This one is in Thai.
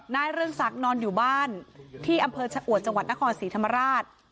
เรืองศักดิ์นอนอยู่บ้านที่อำเภอชะอวดจังหวัดนครศรีธรรมราช